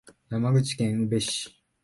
山口県宇部市